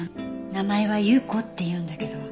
名前は有雨子っていうんだけど。